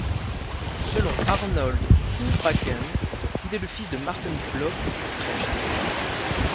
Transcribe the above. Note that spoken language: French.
Selon Arnold Houbraken, il est le fils de Marten Blok d'Utrecht.